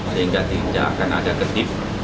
sehingga tidak akan ada ketip